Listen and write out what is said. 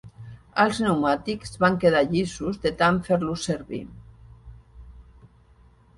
Els pneumàtics van quedar llisos de tant fer-los servir.